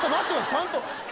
ちゃんと。